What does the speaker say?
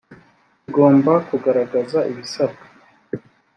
kigomba kugaragaza ibisabwa.